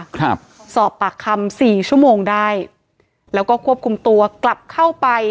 ครับสอบปากคำสี่ชั่วโมงได้แล้วก็ควบคุมตัวกลับเข้าไป